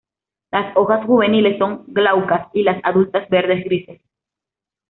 Las hojas juveniles son glaucas, y las adultas verde-grises.